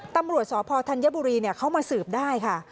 ตำรวจสพธัญบุรีเขามาสืบได้ค่ะ